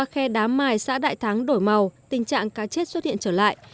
khe đá mài xã đại thắng đổi màu tình trạng cá chết xuất hiện trở lại